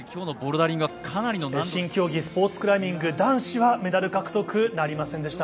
新競技、スポーツクライミング男子はメダル獲得なりませんでした。